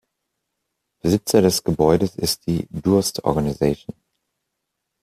Besitzer des Gebäudes ist die "Durst Organization".